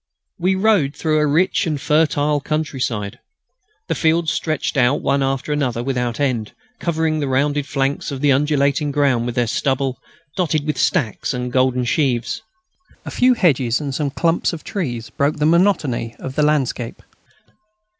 We rode through a rich and fertile countryside. The fields stretched out one after another without end, covering the rounded flanks of the undulating ground with their stubble, dotted with stacks and golden sheaves. A few hedges and some clumps of trees broke the monotony of the landscape.